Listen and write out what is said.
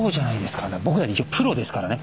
僕だって一応プロですからね